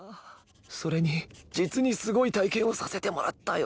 それに実にスゴイ体験をさせてもらったよ。